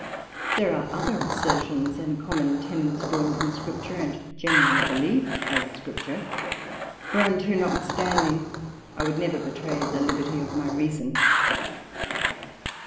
There are other assertions and common Tenents drawn from Scripture, and generally believed as Scripture, whereunto notwithstanding, I would never betray the liberty of my Reason.